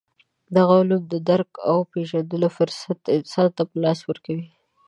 دغه علوم د درک او پېژندلو فرصت انسان ته په لاس ورکوي.